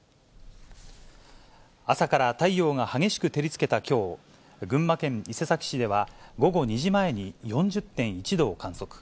朝から太陽が激しく照りつけたきょう、群馬県伊勢崎市では、午後２時前に４０．１度を観測。